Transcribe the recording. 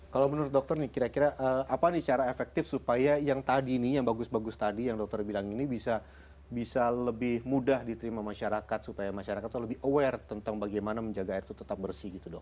kalau menurut dokter nih kira kira apa nih cara efektif supaya yang tadi nih yang bagus bagus tadi yang dokter bilang ini bisa lebih mudah diterima masyarakat supaya masyarakat itu lebih aware tentang bagaimana menjaga air itu tetap bersih gitu dok